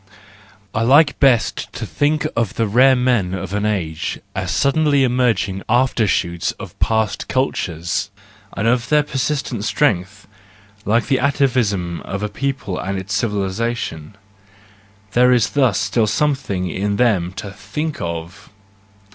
—I like best to think of the rare men of an age as suddenly emerging after shoots of past cultures, and of their persistent strength : like the atavism of a people and its civili¬ sation :—there is thus still something in them to think of!